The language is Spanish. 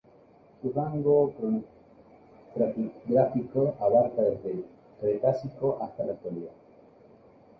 Su rango cronoestratigráfico abarca desde el Cretácico hasta la Actualidad.